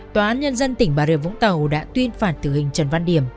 tòa án nhân dân tỉnh bà rịa vũng tàu đã tuyên phạt tử hình trần văn điểm